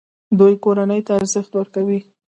دوی کورنۍ ته ارزښت ورکوي.